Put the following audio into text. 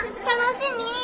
楽しみ！